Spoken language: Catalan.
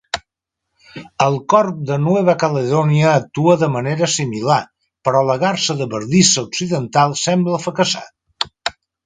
El corb de Nueva Caledònia actua de manera similar, però la garsa de bardissa occidental sembla fracassar.